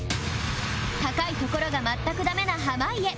高い所が全くダメな濱家